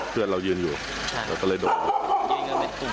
เพื่อนเรายืนอยู่เราก็เลยโดด